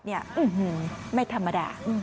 อื้อฮือไม่ธรรมดา